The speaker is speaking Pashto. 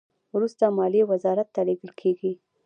وروسته مالیې وزارت ته لیږل کیږي.